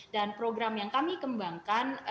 dan program yang kami kembangkan adalah program budaya